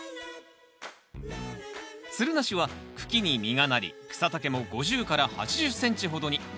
つるなしは茎に実がなり草丈も５０から８０ｃｍほどに。